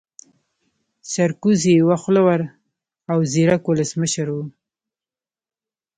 سرکوزی يو خوله ور او ځيرکا ولسمشر وو